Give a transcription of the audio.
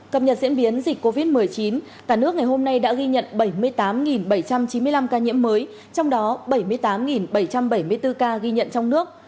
cập nhật diễn biến dịch covid một mươi chín cả nước ngày hôm nay đã ghi nhận bảy mươi tám bảy trăm chín mươi năm ca nhiễm mới trong đó bảy mươi tám bảy trăm bảy mươi bốn ca ghi nhận trong nước